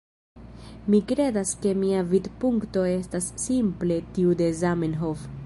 Mi kredas ke mia vidpunkto estas simple tiu de Zamenhof.